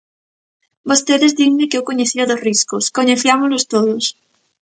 Vostedes dinme que eu coñecía dos riscos; coñeciámolos todos.